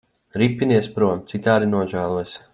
Ripinies prom, citādi nožēlosi.